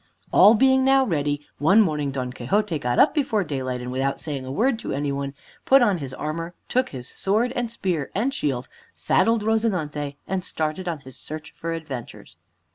All being now ready, one morning Don Quixote got up before daylight, and without saying a word to anybody, put on his armor, took his sword, and spear, and shield, saddled "Rozinante," and started on his search for adventures.